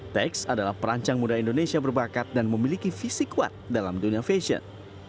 tex adalah perancang muda indonesia berbakat dan memiliki visi kuat dalam dunia fashion